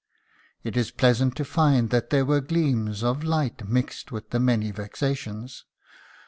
It is pleasant to find that there were gleams of light mixed with the many vexations.